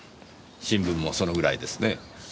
新聞もそのぐらいですねぇ。